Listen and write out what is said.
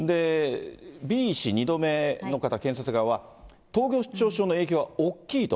Ｂ医師、２度目の方、検察側は統合失調症の影響は大きいと。